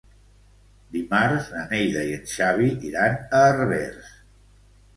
Dimarts na Neida i en Xavi iran a Herbers.